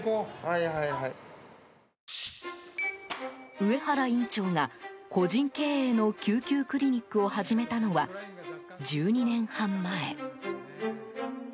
上原院長が、個人経営の救急クリニックを始めたのは１２年半前。